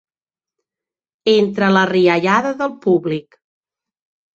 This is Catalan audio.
Entre la riallada del públic.